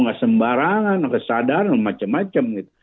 nggak sembarangan nggak kesadaran dan macam macam